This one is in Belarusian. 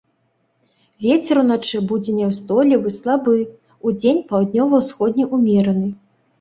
Вецер уначы будзе няўстойлівы слабы, удзень паўднёва-ўсходні ўмераны.